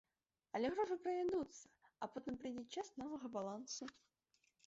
Але грошы праядуцца, а потым прыйдзе час новага балансу.